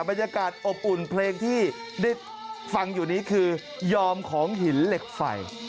บรรยากาศอบอุ่นเพลงที่ได้ฟังอยู่นี้คือยอมของหินเหล็กไฟ